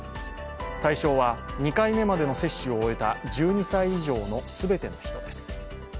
対象は２回目までの接種を終えた１２歳以上の全ての人です。